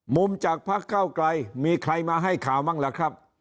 มุมจากพักเก้าไกลมีใครมาให้ข่าวบ้างล่ะครับ